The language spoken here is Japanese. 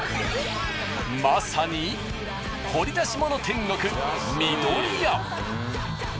まさに掘り出し物天国みどりや。